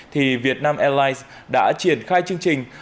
thì việt nam airlines đã triển khai chương trình